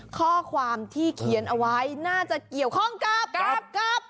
ข้อความที่เขียนเอาไว้น่าจะเกี่ยวข้องกับ